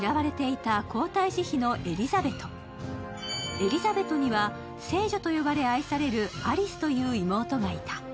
エリザベトには聖女と呼ばれ愛されるアリスという妹がいた。